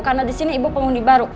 karena di sini ibu pemundi baru